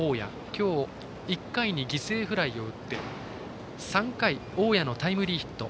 今日１回に犠牲フライを打って３回、大矢のタイムリーヒット。